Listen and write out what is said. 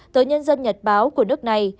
tờ nhân dân nhật báo của nước này